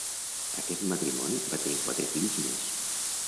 Aquest matrimoni va tenir quatre fills més.